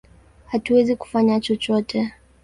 Hatuwezi kufanya chochote!